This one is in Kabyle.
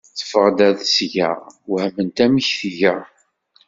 Teffeɣ-d ɣer tesga, wehment amek tga.